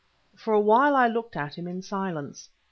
For a while I looked at him in silence.